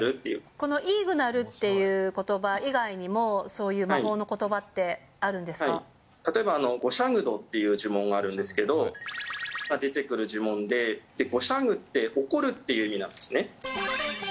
このイーグナルっていうことば以外にも、そういう魔法のこと例えば、ゴシャグドっていう呪文があるんですけど、×××が出てくる呪文で、ごしゃぐって怒るっていう意味なんですね。